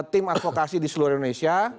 tim advokasi di seluruh indonesia